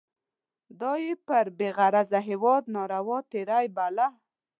دا یې پر بې غرضه هیواد ناروا تېری باله.